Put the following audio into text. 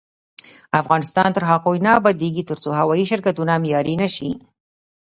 افغانستان تر هغو نه ابادیږي، ترڅو هوايي شرکتونه معیاري نشي.